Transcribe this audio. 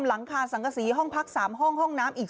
หลังคาสังกษีห้องพัก๓ห้องห้องน้ำอีก